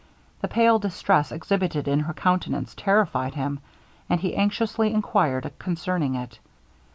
The pale distress exhibited in her countenance terrified him, and he anxiously enquired concerning it.